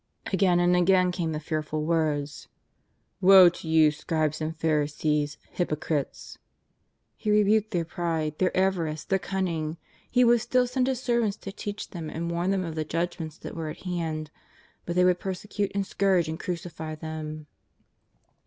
Again and again came the fearful words :" Wo to jou Scribes and Pharisees, hyprocrites !'' He rebuked their pride, their avarice, their cunning. He would still send His servants to teach them and warn them of the judgTQents that were at hand, but they would persecute and scourge and crucify them.